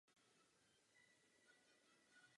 Líza mu děkuje.